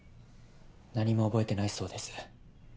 何も覚えてないそうです。